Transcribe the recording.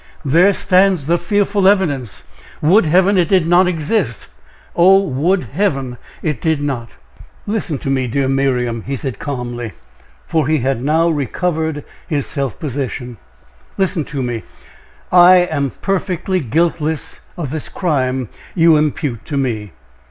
"There stands the fearful evidence! Would Heaven it did not exist! oh! would Heaven it did not!" "Listen to me, dear Miriam," he said, calmly, for he had now recovered his self possession. "Listen to me I am perfectly guiltless of the crime you impute to me.